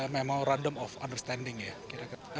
memang random of understanding ya